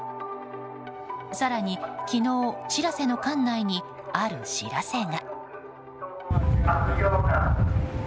更に、昨日「しらせ」の艦内にある知らせが。